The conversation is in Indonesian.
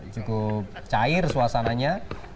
cukup cair suasananya